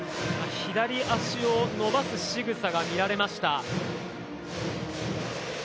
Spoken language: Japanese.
左足を伸ばすしぐさが見られました。